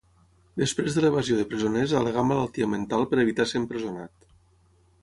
Després de l'evasió de presoners al·legà malaltia mental per evitar ser empresonat.